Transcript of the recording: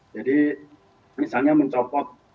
jadi misalnya mencopot